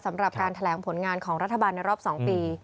สำหรับการแถลงผลงานของรัฐบาลในรอบ๒ปี